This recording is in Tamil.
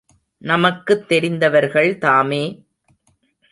நமக்குத் தெரிந்தவர்கள் தாமே!